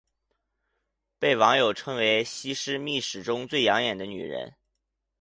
被网友称为西施秘史中最养眼的女人。